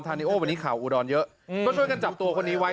นิโอวันนี้ข่าวอุดรเยอะก็ช่วยกันจับตัวคนนี้ไว้